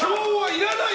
いらない！